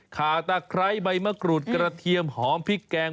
ขาตะไคร้ใบมะกรูดกระเทียมหอมพริกแกง